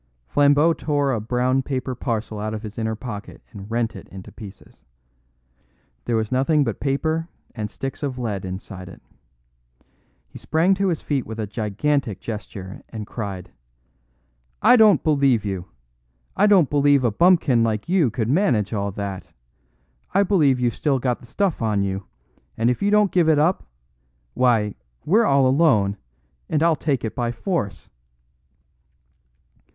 Flambeau tore a brown paper parcel out of his inner pocket and rent it in pieces. There was nothing but paper and sticks of lead inside it. He sprang to his feet with a gigantic gesture, and cried: "I don't believe you. I don't believe a bumpkin like you could manage all that. I believe you've still got the stuff on you, and if you don't give it up why, we're all alone, and I'll take it by force!"